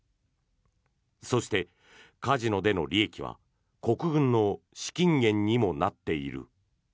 そして、カジノでの利益は国軍の資金源にもなっている。